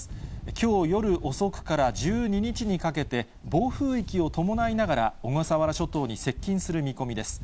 きょう夜遅くから１２日にかけて、暴風域を伴いながら小笠原諸島に接近する見込みです。